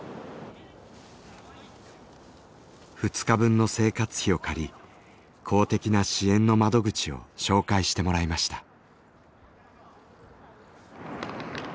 ２日分の生活費を借り公的な支援の窓口を紹介してもらいました。